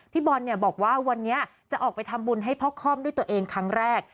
พี่บอลบอกว่าวันนี้จะออกไปทำบุญให้พ่อค่อมด้วยตัวเองครั้งแรก